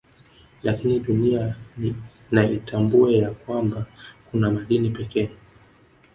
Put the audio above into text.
Lakini Dunia na itambue ya kwanba kuna madini pekee